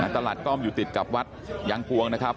ตลาดก้อมอยู่ติดกับวัดยางพวงนะครับ